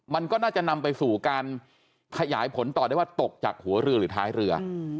มันก็น่าจะนำไปสู่การขยายผลต่อได้ว่าตกจากหัวเรือหรือท้ายเรือ